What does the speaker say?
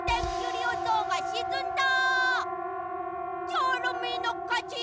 チョロミーのかち！